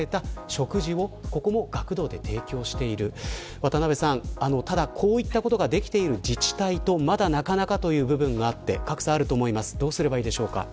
渡辺さん、ただこういったことができている自治体とまだなかなかという部分があって格差があると思います。